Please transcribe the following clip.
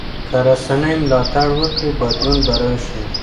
که رسنۍ ملاتړ وکړي بدلون به راشي.